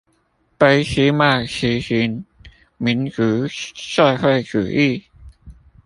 俾斯麥實行民族社會主義